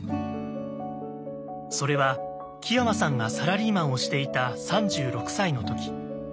それは木山さんがサラリーマンをしていた３６歳のとき。